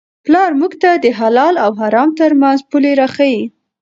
پلار موږ ته د حلال او حرام ترمنځ پولې را ښيي.